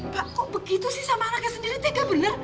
pak kok begitu sih sama anaknya sendiri tega bener